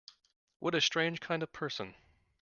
What a strange kind of person!